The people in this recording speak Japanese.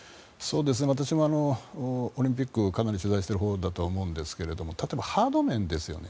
私もオリンピックかなり取材しているほうですが例えばハード面ですよね。